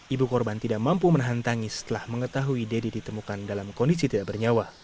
ibu korban tidak mampu menahan tangis setelah mengetahui deddy ditemukan dalam kondisi tidak bernyawa